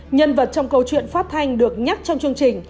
nhân vật trong câu chuyện phát thanh được nhắc trong chương trình